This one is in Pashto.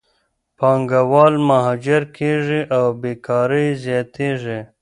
پانګهوال مهاجر کېږي او بیکارۍ زیاتېږي.